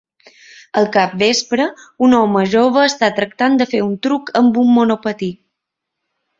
Al capvespre, un home jove està tractant de fer un truc amb un monopatí